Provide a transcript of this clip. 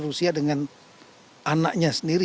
rusia dengan anaknya sendiri